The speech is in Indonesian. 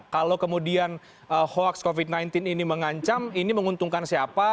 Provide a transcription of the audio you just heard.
kalau kemudian hoax covid sembilan belas ini mengancam ini menguntungkan siapa